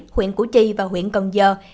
huyện củ chi và huyện cần giờ